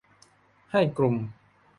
ให้กลุ่ม